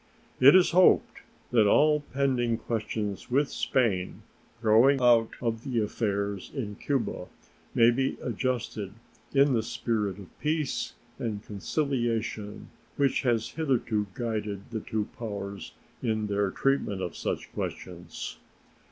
It is hoped that all pending questions with Spain growing out of the affairs in Cuba may be adjusted in the spirit of peace and conciliation which has hitherto guided the two powers in their treatment of such questions.